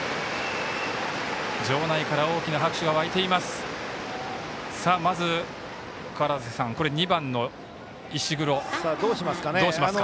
場内から大きな拍手が沸いています。